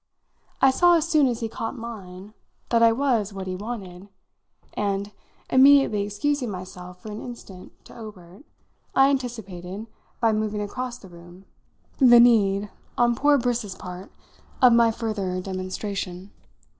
I saw, as soon as he caught mine, that I was what he wanted, and, immediately excusing myself for an instant to Obert, I anticipated, by moving across the room, the need, on poor Briss's part, of my further demonstration.